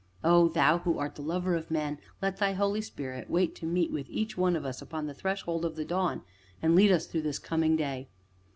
Oh! Thou who art the Lover of Men, let Thy Holy Spirit wait to meet with each one of us upon the threshold of the dawn, and lead us through this coming day.